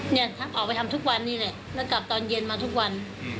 เนี่ยออกไปทำทุกวันนี้แหละแล้วกลับตอนเย็นมาทุกวัน